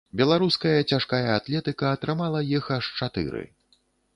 Беларуская цяжкая атлетыка атрымала іх аж чатыры.